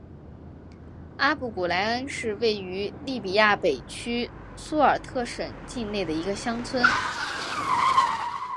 阿布古来恩是位于利比亚北部苏尔特省境内的一个乡村。